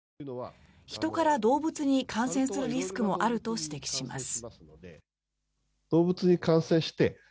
人から動物に感染するリスクもあると指摘します。